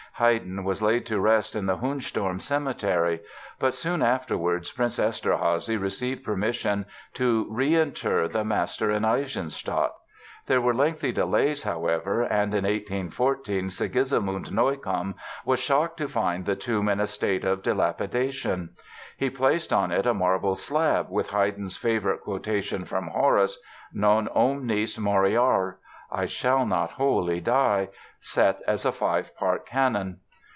Haydn was laid to rest in the Hundsturm Cemetery. But soon afterwards Prince Eszterházy received permission to reinter the master in Eisenstadt. There were lengthy delays, however, and in 1814 Sigismund Neukomm was shocked to find the tomb in a state of dilapidation. He placed on it a marble slab with Haydn's favorite quotation from Horace, "Non omnis moriar" ("I shall not wholly die"), set as a five part canon.